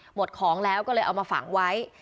หมดของแล้วก็เลยเอามาฝังไว้